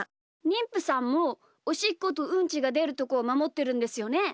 にんぷさんもおしっことうんちがでるとこをまもってるんですよね？